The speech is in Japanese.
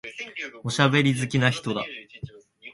おしゃべり好きな人だ。